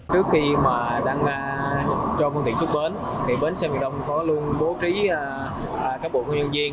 trước khi đang cho phương tiện xuất bến bến xe miền đông có luôn bố trí các bộ nhân viên